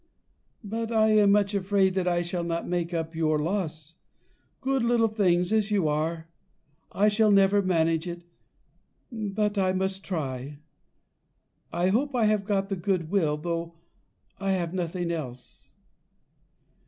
But I am much afraid that I shall not make up your loss, good little things as you are, I shall never manage it; but I must try. I hope I have got the goodwill, though I have nothing else."